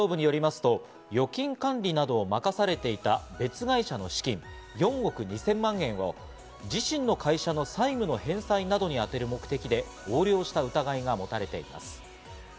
特捜部によりますと、預金管理などを任されていた別会社の資金４億２０００万円を自身の会社の債務の返済などにあてる目的で横領した疑いが持たれています。